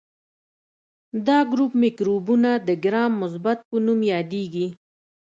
دا ګروپ مکروبونه د ګرام مثبت په نوم یادیږي.